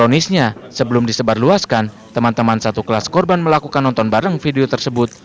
misnya sebelum disebar luaskan teman teman satu kelas korban melakukan nonton bareng video tersebut